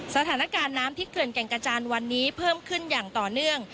สถานการณ์น้ำที่เขื่อนแก่งกระจานวันนี้เพิ่มขึ้นอย่างต่อเนื่อง